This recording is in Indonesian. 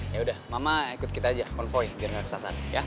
yaudah mama ikut kita aja konvoy biar gak kesasaran ya